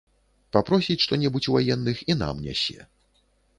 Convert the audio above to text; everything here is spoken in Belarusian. Папросіць што-небудзь у ваенных і нам нясе.